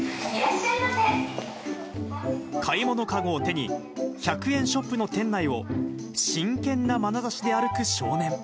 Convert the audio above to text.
買い物籠を手に、１００円ショップの店内を真剣なまなざしで歩く少年。